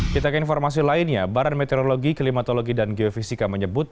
kita ke informasi lainnya baran meteorologi klimatologi dan geofisika menyebut